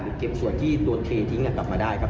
เก็บส่วนที่ตัวเททิ้งกลับมาได้ครับ